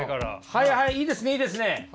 はいはいいいですいいですね。